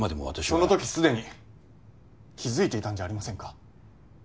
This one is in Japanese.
その時すでに気付いていたんじゃありませんか？